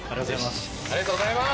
ありがとうございます。